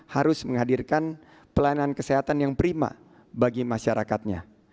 harus menghadirkan pelayanan kesehatan yang prima bagi masyarakatnya